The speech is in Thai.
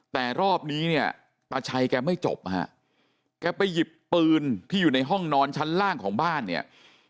แต่รอบนี้เนี่ยตาชัยแกไม่จบฮะแกไปหยิบปืนที่อยู่ในห้องนอนชั้นล่างของบ้านเนี่ย